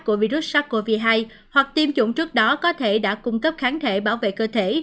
của virus sars cov hai hoặc tiêm chủng trước đó có thể đã cung cấp kháng thể bảo vệ cơ thể